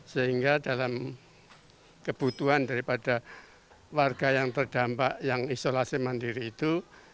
sehingga dalam kebutuhan daripada warga yang terdampak yang isolasi mandiri itu